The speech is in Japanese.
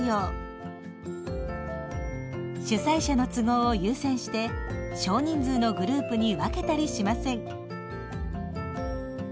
主催者の都合を優先して少人数のグループに分けたりしません。